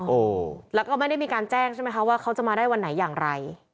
โอ้โหแล้วก็ไม่ได้มีการแจ้งใช่ไหมคะว่าเขาจะมาได้วันไหนอย่างไร